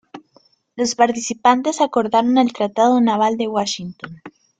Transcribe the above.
Los participantes acordaron el Tratado Naval de Washington.